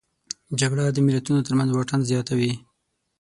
جګړه د ملتونو ترمنځ واټن زیاتوي